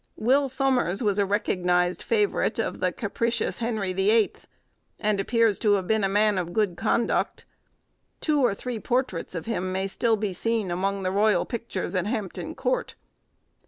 Will Somers was a recognised favourite of the capricious Henry the Eighth, and appears to have been a man of good conduct; two or three portraits of him may be still seen among the royal pictures at Hampton Court.